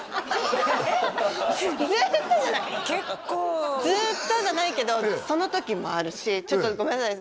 ずっとじゃない結構ずっとじゃないけどその時もあるしちょっとごめんなさい